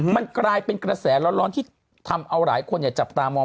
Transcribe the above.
มันกลายเป็นกระแสร้อนที่ทำเอาหลายคนจับตามอง